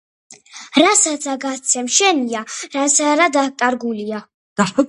რასაცა გასცემ შენია, რაც არა დაკარგულია